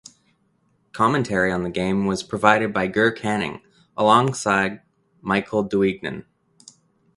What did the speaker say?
Commentary on the game was provided by Ger Canning alongside Michael Duignan.